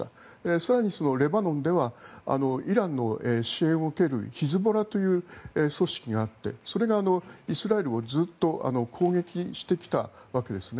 更にそのレバノンではイランの支援を受けるヒズボラという組織があってそれがイスラエルをずっと攻撃してきたわけですね。